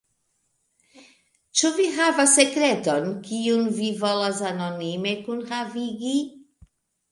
Ĉu vi havas sekreton, kiun vi volas anonime kunhavigi?